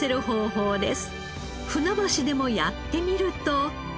船橋でもやってみると。